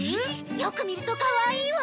よく見るとかわいいわ。